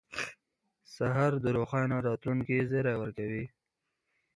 سهار د روښانه راتلونکي زیری ورکوي.